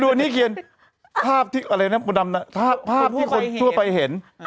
ดูอันนี้เกมภาพที่อะไรภาพที่คนทั่วไปเห็น